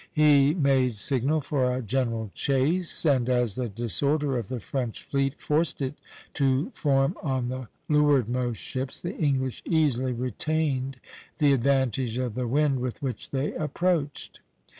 He made signal for a general chase, and as the disorder of the French fleet forced it to form on the leewardmost ships, the English easily retained the advantage of the wind with which they approached.